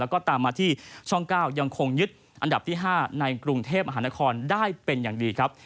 แล้วก็ตามมาที่ช่อง๙ยังคงยึดอันดับที่๕ในกรุงเทพมหานครได้เป็นอย่างดีครับ